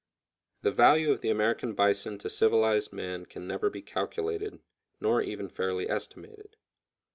The value of the American bison to civilized man can never be calculated, nor even fairly estimated.